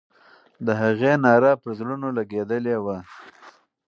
د هغې ناره به پر زړونو لګېدلې وي.